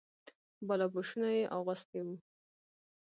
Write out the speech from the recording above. بالاپوشونه یې اغوستي وو.